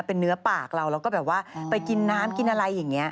เป็นเนื้อปากเราแล้วก็แบบว่าไปกินน้ำกินอะไรอย่างนี้